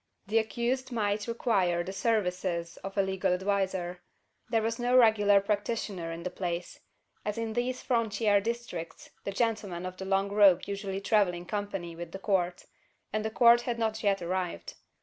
The accused might require the services of a legal adviser. There was no regular practitioner in the place: as in these frontier districts the gentlemen of the long robe usually travel in company with the Court; and the Court had not yet arrived.